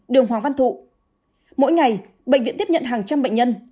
đường hoàng văn thụ mỗi ngày bệnh viện tiếp nhận hàng trăm bệnh nhân